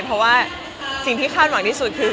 เพราะว่าสิ่งที่คาดหวังที่สุดคือ